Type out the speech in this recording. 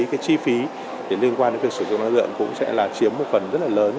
cái chi phí liên quan đến việc sử dụng năng lượng cũng sẽ là chiếm một phần rất là lớn